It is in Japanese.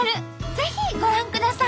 ぜひご覧ください。